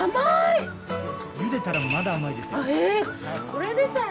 茹でたらまだ甘いですよ。